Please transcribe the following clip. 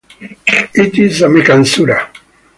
It is a Meccan sura.